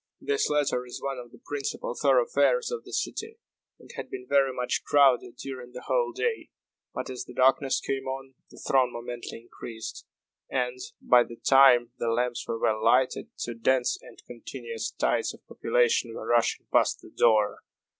This latter is one of the principal thoroughfares of the city, and had been very much crowded during the whole day. But, as the darkness came on, the throng momently increased; and, by the time the lamps were well lighted, two dense and continuous tides of population were rushing past the door.